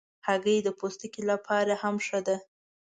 هګۍ د پوستکي لپاره هم ښه ده.